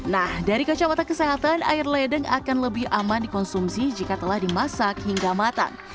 nah dari kocok mata kesehatan air ledeng akan lebih aman dikonsumsi jika telah dimasak hingga matang